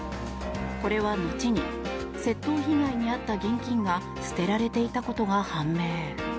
これは後に窃盗被害に遭った現金が捨てられていたことが判明。